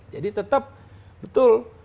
jadi tetap betul